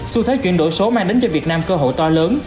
xu thế chuyển đổi số mang đến cho việt nam cơ hội to lớn